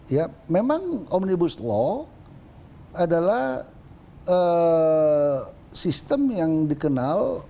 ya memang omnibus law adalah sistem yang dikenal